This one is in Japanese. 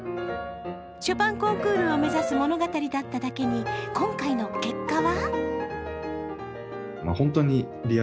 ショパンコンクールを目指す物語だけだっただけに今回の結果は？